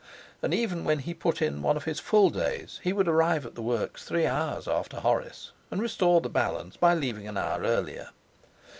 And even when he put in one of his full days he would arrive at the works three hours after Horace, and restore the balance by leaving an hour earlier.